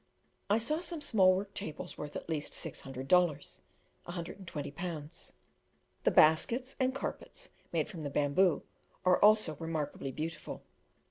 I saw some small work tables worth at least 600 dollars (120 pounds). The baskets and carpets, made from the bamboo, are also remarkably beautiful.